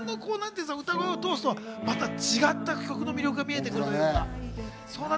宮本さんの歌声を通すと、また違った曲の魅力が見えてくると思った。